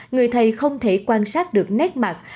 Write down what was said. người thầy không thể quan sát được nét mặt